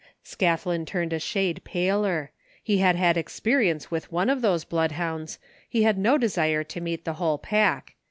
Scathlin turned a shade paler. He had had experi ence with one of those bloodhounds. He had no desire to meet the whole pack.